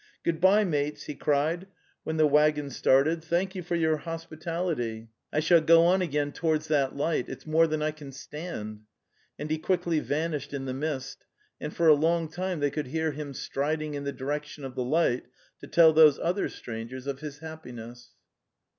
'" Good bye, mates!" he cried when the waggons 264 The Tales of Chekhov started. '' Thank you for your hospitality. I shall go on again towards that light. It's more than I can stand." And he quickly vanished in the mist, and for a long time they could hear him striding in the direction of the light to tell those other strangers of his happi ness.